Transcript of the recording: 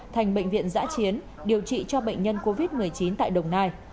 thành bệnh viện giã chiến điều trị cho bệnh nhân covid một mươi chín tại đồng nai